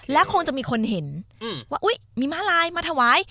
แล้วคงจะมีคนเห็นว่ามีมาลายมาถวาย